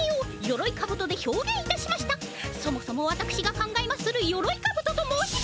そもそもわたくしが考えまするヨロイカブトと申しますと。